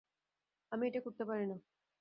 আমি এটা করতে পারি না।